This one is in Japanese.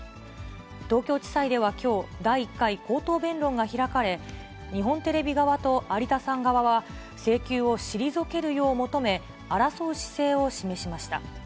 東京地裁ではきょう、第１回口頭弁論が開かれ、日本テレビ側と有田さん側は、請求を退けるよう求め、争う姿勢を示しました。